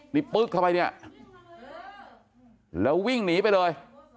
นี่ปึ๊กเข้าไปเนี่ยแล้ววิ่งหนีไปเลย